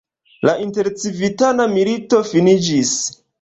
La intercivitana milito finiĝis.